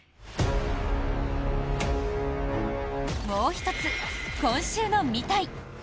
もう１つ今週の「見たい！」。